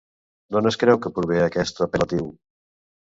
D'on es creu que prové aquest apel·latiu?